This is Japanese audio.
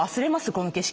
この景色。